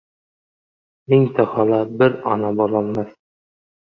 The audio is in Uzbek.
• Mingta xola bir ona bo‘lolmas.